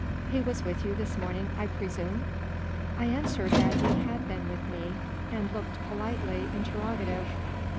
He was with you this morning, I presume ?" I answered that he had been with me, and looked politely interrogative.